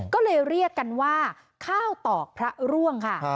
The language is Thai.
ก็เลยเรียกกันว่าข้าวตอกพระร่วงค่ะ